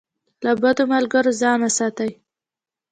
له بدو ملګرو ځان وساتئ.